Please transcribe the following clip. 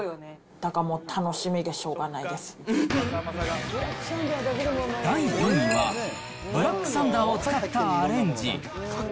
だからもう楽しみでしょうが第４位は、ブラックサンダーを使ったアレンジ。